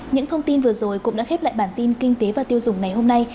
những thông tin vừa rồi cũng đã khép lại bản tin kinh tế và tiêu dùng ngày hôm nay